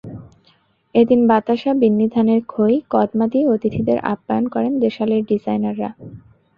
এদিন বাতাসা, বিন্নি ধানের খই, কদমা দিয়ে অতিথিদের আপ্যায়ন করেন দেশালের ডিজাইনাররা।